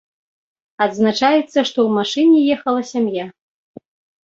Адзначаецца, што ў машыне ехала сям'я.